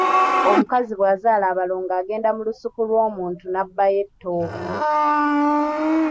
Omukazi bwazaala abalongo agenda mu lusuku lw’omuntu n’abbayo ettooke.